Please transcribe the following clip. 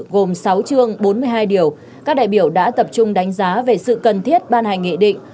gồm sáu chương bốn mươi hai điều các đại biểu đã tập trung đánh giá về sự cần thiết ban hành nghị định